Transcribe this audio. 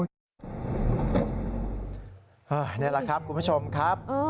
นี่แหละครับคุณผู้ชมครับ